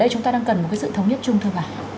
chúng ta đang cần một cái sự thống nhất chung thôi mà